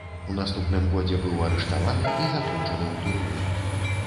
У наступным годзе быў арыштаваны і заключаны ў турму.